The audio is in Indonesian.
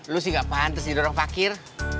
lu sih gak pantes jadi orang fakir